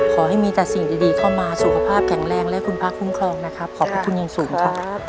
ขอให้มีแต่สิ่งดีเข้ามาสุขภาพแข็งแรงและคุณพระคุ้มครองนะครับขอบพระคุณอย่างสูงครับ